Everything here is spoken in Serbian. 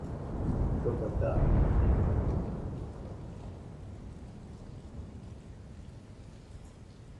Добар дан, душо.